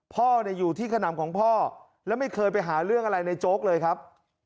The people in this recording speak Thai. พ่ออยู่ที่ขนำของพ่อและไม่เคยไปหาเรื่องอะไรในโจ๊กเลยครับ